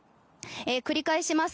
繰り返します。